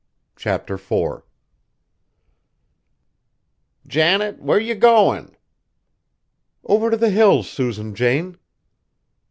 CHAPTER IV "Janet, where you goin'?" "Over to the Hills, Susan Jane."